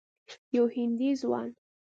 یو هندي ځوان